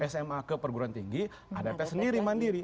sma ke perguruan tinggi ada tes sendiri mandiri